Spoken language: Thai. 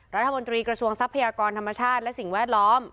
รัฐมนตรีกระทรวงทรัพยากรธรรมชาติและสิ่งแวดล้อม